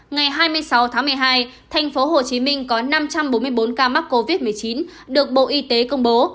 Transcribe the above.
ngày hai mươi sáu tháng một mươi hai tp hcm có năm trăm bốn mươi bốn ca mắc covid một mươi chín được bộ y tế công bố